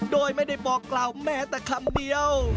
โดยไม่ได้บอกกล่าวแม้แต่คำเดียว